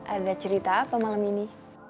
ada cerita apa malam ini